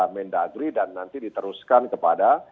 mendagri dan nanti diteruskan kepada